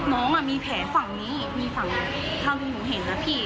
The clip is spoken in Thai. หนองอ่ะมีแผลฝั่งนี้มีฝั่งถ้าคุณเห็นน่ะพี่